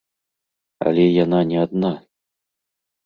Але яна не адна.